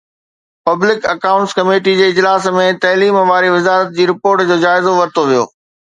public accounts committee جي اجلاس ۾ تعليم واري وزارت جي رپورٽ جو جائزو ورتو ويو